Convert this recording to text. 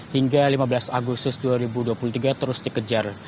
hingga lima belas agustus dua ribu dua puluh tiga terus dikejar